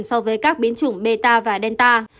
so với các biến chủng beta và delta